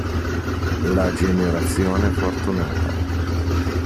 La generazione fortunata.